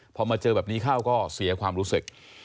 พอมาเจอแบบนี้เข้าก็เสียความรู้สึก